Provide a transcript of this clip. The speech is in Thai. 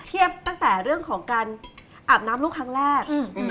เทียบตั้งแต่เรื่องของการอาบน้ำลูกครั้งแรก